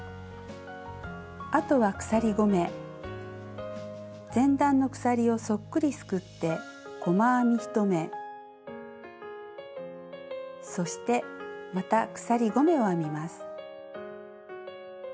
あとは鎖５目前段の鎖をそっくりすくって細編み１目そしてまた鎖５目を編みます。